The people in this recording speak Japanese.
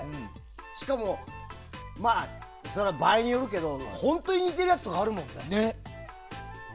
しかも場合によるけど本当に似てるやつとかあるもんね。